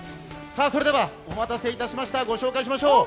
それではお待たせいたしました、ご紹介しましょう。